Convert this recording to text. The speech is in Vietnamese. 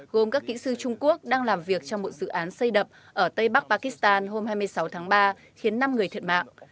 gồm các kỹ sư trung quốc đang làm việc trong một dự án xây đập ở tây bắc pakistan hôm hai mươi sáu tháng ba khiến năm người thiệt mạng